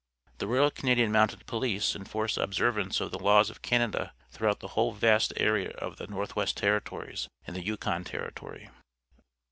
The Royal Canadian Mounted PoUce enforce observance of the laws of Canada throughout the whole vast area of the Northwest Ter ritories and the Yukon Territory.